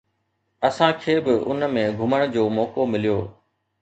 اسان کي به ان ۾ گهمڻ جو موقعو مليو.